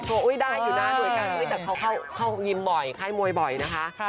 อุ๊ยได้อยู่หน้าหน่วยกันแต่เขาเข้ายิมบ่อยค่ายมวยบ่อยนะคะ